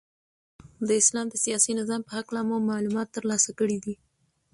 د اسلام د سیاسی نظام په هکله مو معلومات ترلاسه کړی دی.